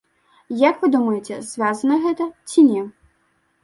Як вы думаеце, звязана гэта ці не?